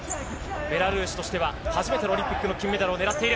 ベラルーシとしては初めてのオリンピックの金メダルを狙っている。